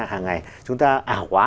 hằng ngày chúng ta ảo quá